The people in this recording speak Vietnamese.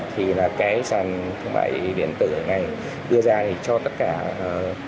thì sàn thương mại điện tử này đưa ra cho tất cả doanh nghiệp